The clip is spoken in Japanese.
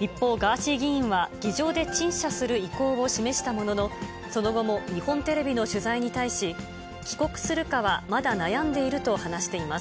一方、ガーシー議員は議場で陳謝する意向を示したものの、その後も日本テレビの取材に対し、帰国するかはまだ悩んでいると話しています。